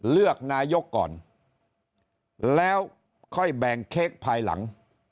เลือกนายกก่อนแล้วค่อยแบ่งเค้กภายหลัง